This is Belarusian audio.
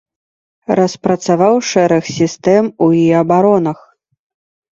Распрацаваў шэраг сістэм у і абаронах.